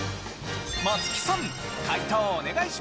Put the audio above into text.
松木さん解答お願いします。